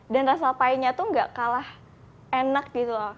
dan rasa pie nya itu enggak kalah enak gitu loh